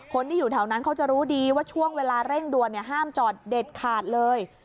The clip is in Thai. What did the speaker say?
คนที่อยู่แถวนั้นเขาจะรู้ดีว่าช่วงเวลาเร่งด่วนห้ามจอดเด็ดขาดเลย